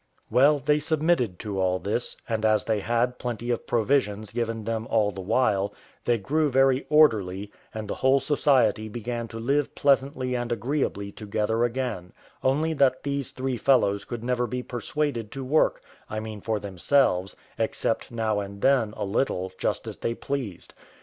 Well, they submitted to all this; and as they had plenty of provisions given them all the while, they grew very orderly, and the whole society began to live pleasantly and agreeably together again; only that these three fellows could never be persuaded to work I mean for themselves except now and then a little, just as they pleased.